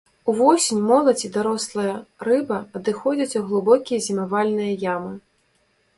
Увосень моладзь і дарослая рыба адыходзіць у глыбокія зімавальныя ямы.